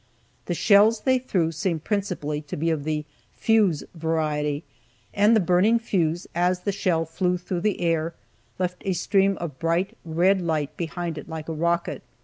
The shells they threw seemed principally to be of the "fuse" variety, and the burning fuse, as the shell flew through the air, left a stream of bright red light behind it like a rocket.